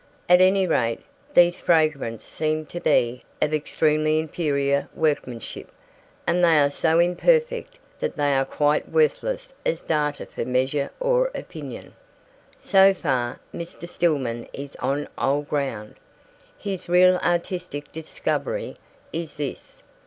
At any rate, these fragments seem to be of extremely inferior workmanship, and they are so imperfect that they are quite worthless as data for measure or opinion. So far, Mr. Stillman is on old ground. His real artistic discovery is this.